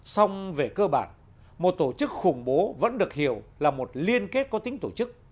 xong về cơ bản một tổ chức khủng bố vẫn được hiểu là một liên kết có tính tổ chức